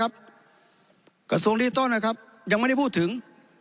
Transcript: กระทรวงดิจิทัลนะครับยังไม่ได้พูดถึง